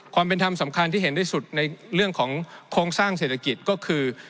ความเป็นธรรมสำคัญที่เห็นที่สุดในเรื่องของโครงสร้างเศรษฐกิจก็คือ